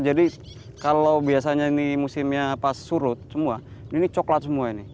jadi kalau biasanya ini musimnya pas surut semua ini coklat semua ini